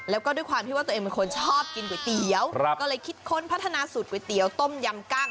แล้วก็ด้วยความที่ว่าตัวเองเป็นคนชอบกินก๋วยเตี๋ยวก็เลยคิดค้นพัฒนาสูตรก๋วยเตี๋ยวต้มยำกั้ง